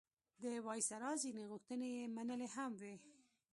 د وایسرا ځینې غوښتنې یې منلي هم وې.